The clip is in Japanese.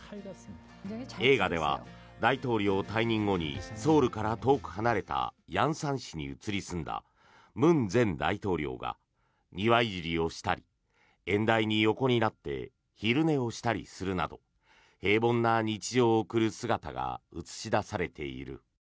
映画では大統領退任後にソウルから遠く離れた梁山市に移り住んだ文前大統領が庭いじりをしたり縁台に横になって昼寝をしたりするなど平凡な日常を送る姿が映し出されている。